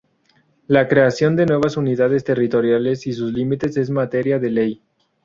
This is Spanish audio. La creación de nuevas unidades territoriales y sus límites es materia de ley.